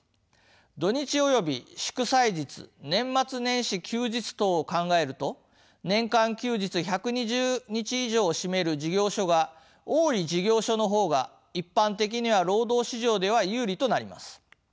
土日及び祝祭日年末年始休日等を考えると年間休日１２０日以上を占める事業所が多い事業所の方が一般的には労働市場では有利となります。